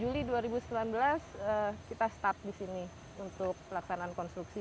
juli dua ribu sembilan belas kita start di sini untuk pelaksanaan konstruksi